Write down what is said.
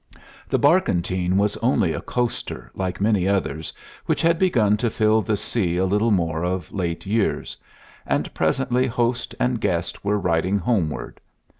The barkentine was only a coaster like many others which had begun to fill the sea a little more of late years, and presently host and guest were riding homeward.